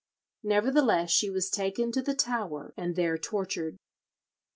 Nevertheless, she was taken to the Tower, and there tortured.